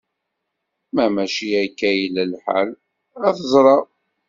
Ma mačči akka i yella lḥal, ad t-ẓreɣ.